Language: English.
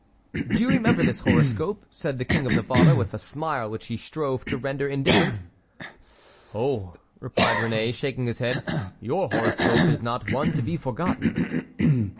"Do you remember this horoscope?" said the King of Navarre, with a smile which he strove to render indifferent. "Oh!" replied Réné, shaking his head, "your horoscope is not one to be forgotten."